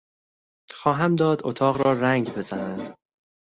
خواهم داد اتاق را رنگ بزنند.